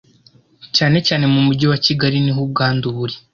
cyane cyane mu Mujyi wa Kigali niho ubwandu buri .